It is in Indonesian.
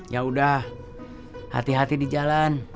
ya udah hati hati di jalan